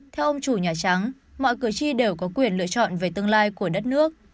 theo ông chủ nhà trắng mọi cử tri đều có quyền lựa chọn về tương lai của đất nước